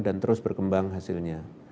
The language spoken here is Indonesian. dan terus berkembang hasilnya